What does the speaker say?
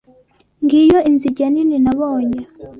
Ngiyo inzige nini nabonye.